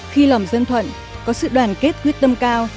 khi lòng dân thuận có sự đoàn kết quyết tâm cao